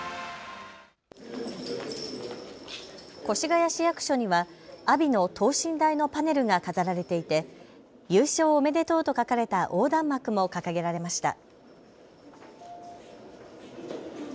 越谷市役所には阿炎の等身大のパネルが飾られていて優勝おめでとうと書かれた横断幕も掲げられました。